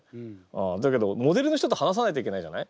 だけどモデルの人と話さないといけないじゃない？